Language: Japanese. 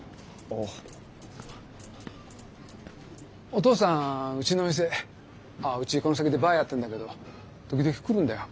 お父さんうちの店あうちこの先でバーやってるんだけど時々来るんだよ。